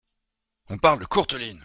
On parle de Courteline !